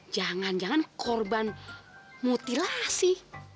jangan jangan korban mutilasi